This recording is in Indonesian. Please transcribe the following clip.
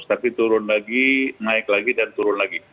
tapi turun lagi naik lagi dan turun lagi